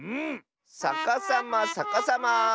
さかさまさかさま。